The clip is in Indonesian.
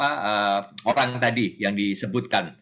yang lima ratus orang tadi yang disebutkan